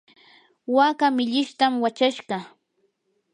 waaka millishtam wachashqa.